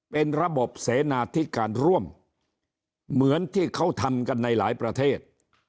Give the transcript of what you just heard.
เป็นระบบเสนาธิการร่วมเหมือนที่เขาทำกันในหลายประเทศ